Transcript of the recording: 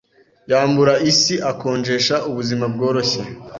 Yambura isi akonjesha ubuzima bworoshye